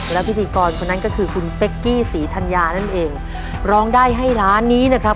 และพิธีกรคนนั้นก็คือคุณเป๊กกี้ศรีธัญญานั่นเองร้องได้ให้ล้านนี้นะครับ